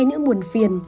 những buồn phiền